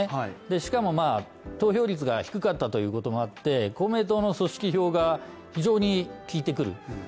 しかも投票率が低かったということがあって、公明党の組織票が非常に効いてくる。